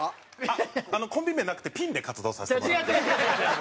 あっコンビ名はなくてピンで活動させてもらってます。